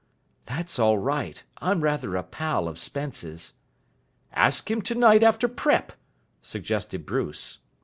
"That's all right. I'm rather a pal of Spence's." "Ask him tonight after prep.," suggested Bruce.